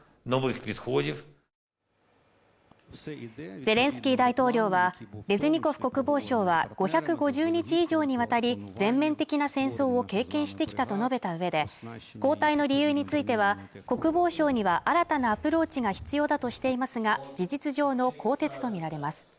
ゼレンスキー大統領はレズニコフ国防相は５５０日以上にわたり全面的な戦争を経験してきたと述べたうえで交代の理由については国防省には新たなアプローチが必要だとしていますが事実上の更迭とみられます